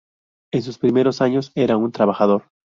En sus primeros años, era un trabajador.